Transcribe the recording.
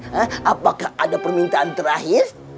ya apakah ada permintaan terakhir